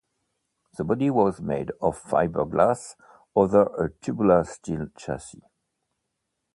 The body was made of fiberglass over a tubular steel chassis.